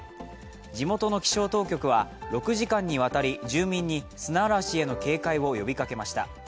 地元の気象当局は、６時間にわたり住民に砂嵐への警戒を呼びかけました。